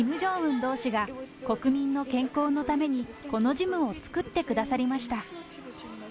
同志が、国民の健康のためにこのジムを作ってくださりました。